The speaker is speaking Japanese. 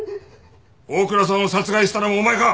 大倉さんを殺害したのもお前か！？